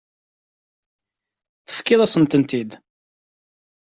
Tefkiḍ-asen-tent-id.